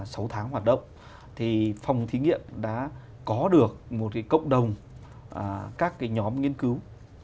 sau tháng hoạt động thì phòng thí nghiệm đã có được một cộng đồng các nhóm nghiên cứu